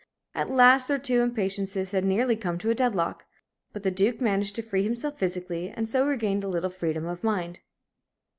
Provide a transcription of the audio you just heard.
At last their two impatiences had nearly come to a dead lock. But the Duke managed to free himself physically, and so regained a little freedom of mind.